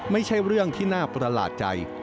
ไม่ใช่เรื่องที่น่าประหลาดใจ